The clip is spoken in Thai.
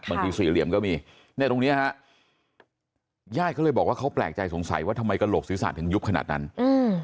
สี่เหลี่ยมก็มีเนี่ยตรงเนี้ยฮะญาติเขาเลยบอกว่าเขาแปลกใจสงสัยว่าทำไมกระโหลกศีรษะถึงยุบขนาดนั้นอืม